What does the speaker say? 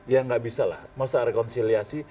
ya nggak bisa lah masa rekonsiliasi